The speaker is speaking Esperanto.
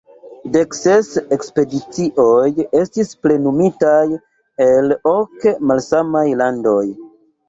Dekses ekspedicioj estis plenumitaj el ok malsamaj landoj.